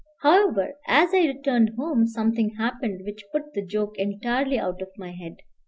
However, as I returned home, something happened which put the joke entirely out of my head.